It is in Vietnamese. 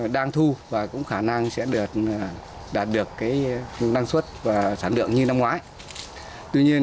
đang thu và cũng khả năng sẽ được đạt được cái năng xuất và sản lượng như năm ngoái tuy nhiên